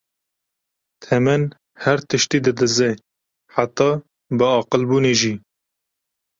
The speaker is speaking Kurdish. Temen her tiştî didize, heta biaqilbûnê jî!